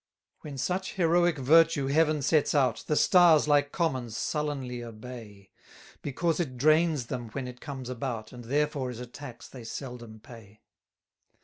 27 When such heroic virtue Heaven sets out, The stars, like commons, sullenly obey; Because it drains them when it comes about, And therefore is a tax they seldom pay.